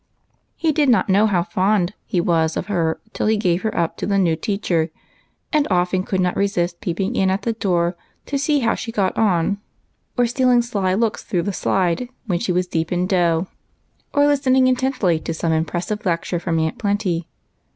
He did not know how fond he was BREAD AND BUTTON HOLES. 185 of her till he gave her up to the new teacher, and often could not resist peeping in at the door, to see how she got on, or stealing sly looks through the slide when she was deep in dough, or listening in tently to some impressive lecture from Aunt Plenty.